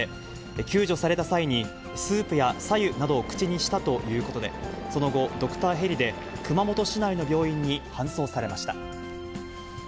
救助された際に、スープやさ湯などを口にしたということで、その後、ドクターヘリで、熊本市内の病院に搬送されました。